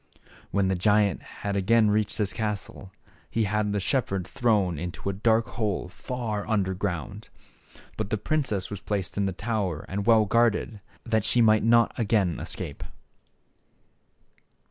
When the giant had again reached his castle he had the shepherd thrown into a dark hole far under ground. But the princess was placed in the tower and well guarded, that she might not again escape.